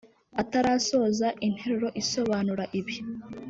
Atarasoza interuro isobanura ibi